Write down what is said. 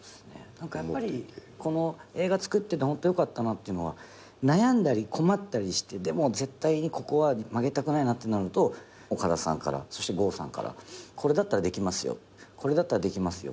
何かやっぱりこの映画作っててホントよかったなってのは悩んだり困ったりしてでも絶対にここは曲げたくないなってなると岡田さんからそして剛さんから「これだったらできますよ」「これだったらできますよ」